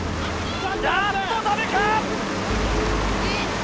あっとダメか？